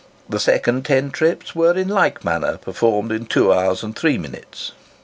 The second ten trips were in like manner performed in 2 hours and 3 minutes.